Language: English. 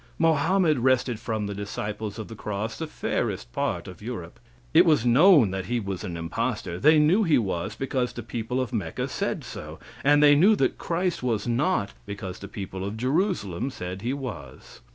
Mohammed wrested from the disciples of the cross the fairest part of Europe. It was known that he was an impostor. They knew he was because the people of Mecca said so, and they knew that Christ was not because the people of Jerusalem said he was.